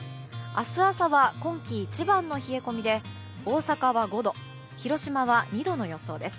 明日朝は今季一番の冷え込みで大阪は５度広島は２度の予想です。